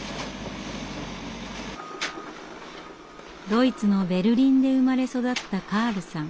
ドイツのベルリンで生まれ育ったカールさん。